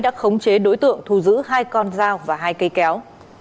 đã khống chế đối tượng thu giữ hai con dao và hai cây kéo